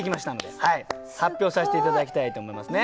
すごい！発表させて頂きたいと思いますね。